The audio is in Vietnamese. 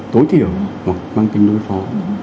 tối thiểu hoặc mang tính đối phó